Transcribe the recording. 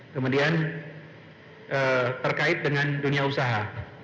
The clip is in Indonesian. kemudian terkait dengan dunia usaha